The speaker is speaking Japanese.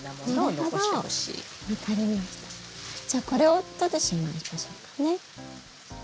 じゃあこれを取ってしまいましょうかね。